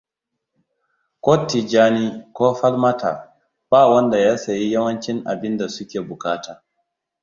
Ko Tijjani ko Falmata ba wanda ya sayi yawancin abinda suke bukata.